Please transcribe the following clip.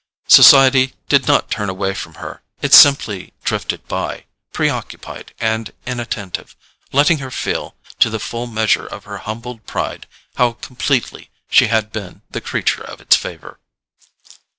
Society did not turn away from her, it simply drifted by, preoccupied and inattentive, letting her feel, to the full measure of her humbled pride, how completely she had been the creature of its favour.